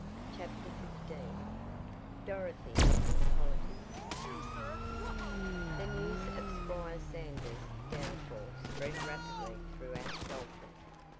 CHAPTER XV DOROTHY IN POLITICS The news of Squire Sanders' downfall spread rapidly throughout Dalton.